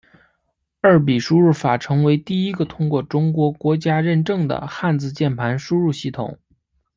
二笔输入法成为第一个通过中国国家认证的汉字键盘输入系统。